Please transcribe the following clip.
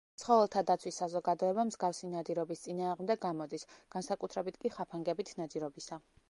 ცხოველთა დაცვის საზოგადოება მსგავსი ნადირობის წინააღმდეგ გამოდის, განსაკუთრებით კი ხაფანგებით ნადირობისა.